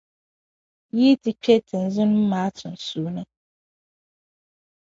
yi ti kpi tinzunnim’ maa sunsuuni.